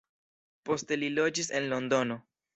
Poste li loĝis en Londono.